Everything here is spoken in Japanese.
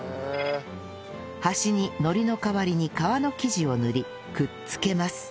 端にのりの代わりに皮の生地を塗りくっつけます